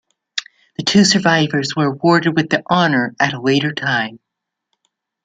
The two survivors were awarded with the honour at a later time.